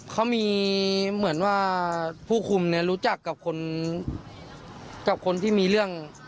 เขามีเหมือนว่าผู้คุมเนี่ยรู้จักกับคนกับคนที่มีเรื่อง